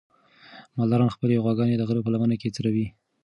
مالداران خپلې غواګانې د غره په لمنه کې څروي.